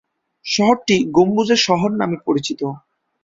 শহরটি গম্বুজের শহর নামে পরিচিত।